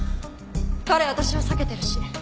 彼私を避けてるし。